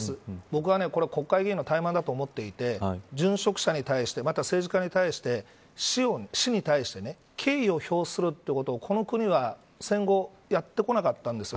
僕は国会議員の怠慢だと思っていて殉職者に対して、政治家に対して死に対して敬意を表するということをこの国は戦後やってこなかったんです。